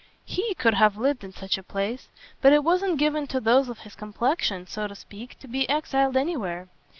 HE could have lived in such a place; but it wasn't given to those of his complexion, so to speak, to be exiled anywhere.